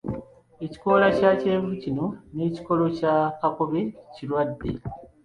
Ekikoola ekya kyenvu kino n'ekikolo ekya kakobe kirwadde.